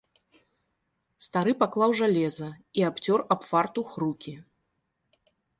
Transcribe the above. Стары паклаў жалеза і абцёр аб фартух рукі.